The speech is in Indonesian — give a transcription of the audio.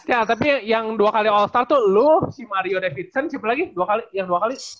ya tapi yang dua kali all star tuh lu si mario davidson siapa lagi yang dua kali